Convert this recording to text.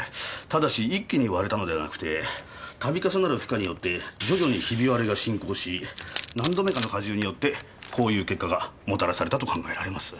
ただし一気に割れたのではなくて度重なる負荷によって徐々にひび割れが進行し何度目かの荷重によってこういう結果がもたらされたと考えられます。